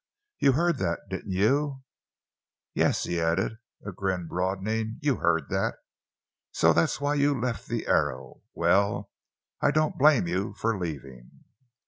You heard that, didn't you? Yes," he added, his grin broadening; "you heard that. So that's why you left the Arrow! Well, I don't blame you for leaving."